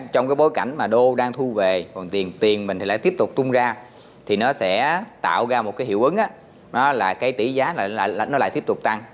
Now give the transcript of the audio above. trong cái bối cảnh mà đô đang thu về còn tiền mình thì lại tiếp tục tung ra thì nó sẽ tạo ra một cái hiệu ứng nó là cái tỷ giá lại nó lại tiếp tục tăng